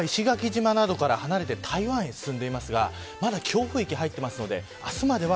台風は石垣島などから離れて台湾へ進んでいますがまだ強風域に入っています。